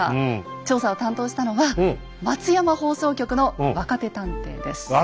調査を担当したのは松山放送局の若手探偵です。